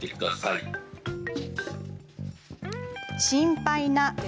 「心配な」